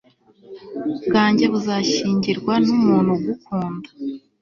bwanjye buzashyingirwa numuntu ugukunda